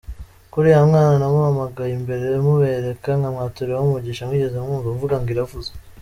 Ko uriya mwana namuhamagaye imbere mubereka, nkamwaturiraho umugisha mwigeze mwumva mvuga ngo Iravuze”? .